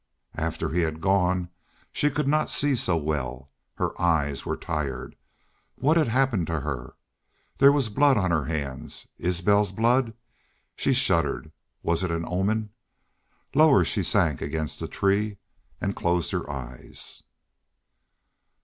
After he had gone she could not see so well. Her eyes were tired. What had happened to her? There was blood on her hands. Isbel's blood! She shuddered. Was it an omen? Lower she sank against the tree and closed her eyes.